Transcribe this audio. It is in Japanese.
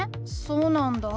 そうなんだ。